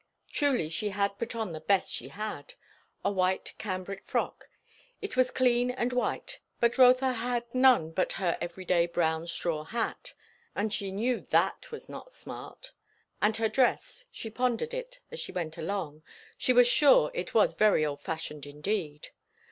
Truly she had put on the best she had; a white cambrick frock; it was clean and white; but Rotha had none but her everyday brown straw hat, and she knew that was not "smart"; and her dress, she pondered it as she went along, she was sure it was very old fashioned indeed.